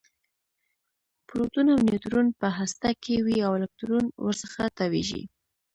پروټون او نیوټرون په هسته کې وي او الکترون ورڅخه تاویږي